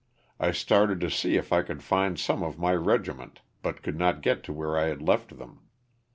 I started to see if I could find some of my regiment but could not get to where I had left them.